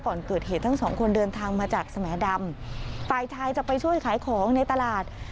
ก่อนเกิดเหตุทั้งสองคนเดินทางมาจากสมดำฝ่ายชายจะไปช่วยขายของในตลาด